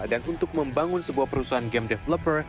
dan untuk membangun sebuah perusahaan game developer